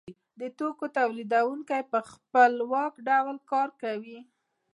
د توکو تولیدونکی په خپلواک ډول کار کوي